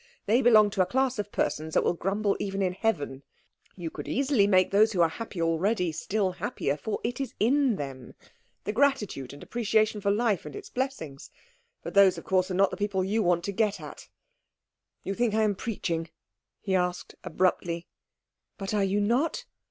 They belong to a class of persons that will grumble even in heaven. You could easily make those who are happy already still happier, for it is in them the gratitude and appreciation for life and its blessings; but those of course are not the people you want to get at. You think I am preaching?" he asked abruptly. "But are you not?"